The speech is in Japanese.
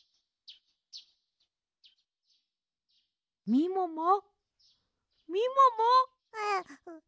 みももみもも！